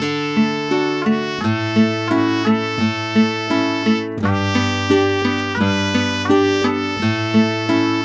harun boleh ngomong sama isa sebentar ma